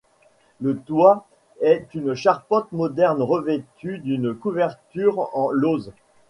Le toit est une charpente moderne revêtue d'une couverture en lauzes.